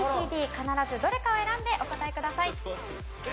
必ずどれかを選んでお答えください。